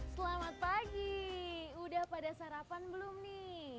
selamat pagi udah pada sarapan belum nih